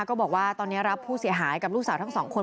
ก็บอกว่าตอนนี้รับผู้เสียหายกับลูกสาวทั้งสองคน